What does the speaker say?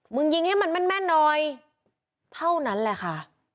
ยิงให้มันแม่นหน่อยเท่านั้นแหละค่ะ